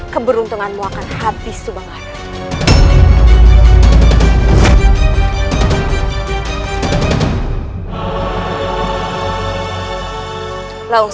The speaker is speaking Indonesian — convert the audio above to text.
keberuntunganmu akan habis subangara